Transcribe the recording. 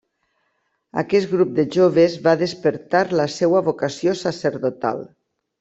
Aquest grup de joves va despertar la seva vocació sacerdotal.